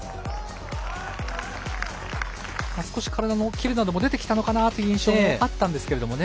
少し体のキレなども出てきたのかなという印象もあったんですけどね。